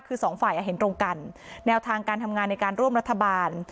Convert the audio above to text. คือสองฝ่ายเห็นตรงกันแนวทางการทำงานในการร่วมรัฐบาล